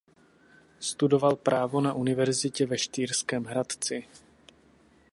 Studoval právo na Univerzitě ve Štýrském Hradci.